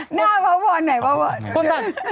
หน้าวะวอนไหนวะวอน